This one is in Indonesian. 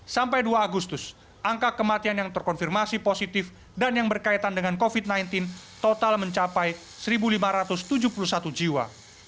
sampai dua agustus angka kematian yang terkonfirmasi positif dan yang berkaitan dengan covid sembilan belas total mencapai satu lima ratus tujuh puluh satu jiwa